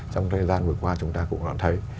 trong thời gian vừa qua chúng ta cũng đã thấy